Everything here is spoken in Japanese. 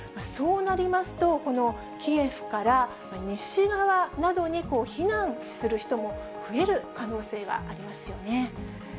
そうなりますと、このキエフから西側などに避難する人も増える可能性がありますよね。